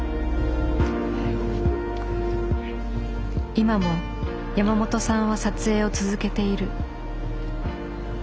今も山本さんは撮影を続けている。